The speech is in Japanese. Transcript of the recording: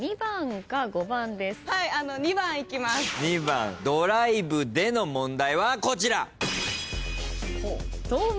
２番ドライブでの問題はこちら。